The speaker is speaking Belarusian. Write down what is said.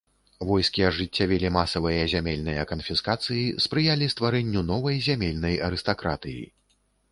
Войскі ажыццявілі масавыя зямельныя канфіскацыі, спрыялі стварэнню новай зямельнай арыстакратыі.